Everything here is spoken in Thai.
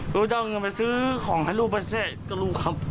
ก็จะเอาเงินไปซื้อของให้ลูกไปเสร็จก็รู้ครับ